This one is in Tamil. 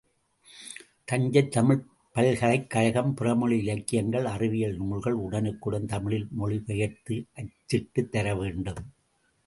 தஞ்சைத் தமிழ்ப் பல்கலைக் கழகம் பிறமொழி இலக்கியங்கள், அறிவியல் நூல்கள் உடனுக்குடன் தமிழில் மொழி பெயர்த்து அச்சிட்டுத் தரவேண்டும்.